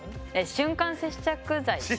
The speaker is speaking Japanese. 瞬間接着剤で。